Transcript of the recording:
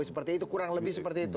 seperti itu kurang lebih seperti itu